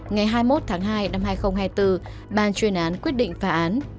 ngày hai mươi một tháng hai năm hai nghìn hai mươi bốn ban chuyên án quyết định phá án